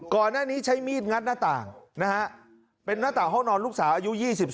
ก่อนหน้านี้ใช้มีดงัดหน้าต่างนะฮะเป็นหน้าต่างห้องนอนลูกสาวอายุ๒๓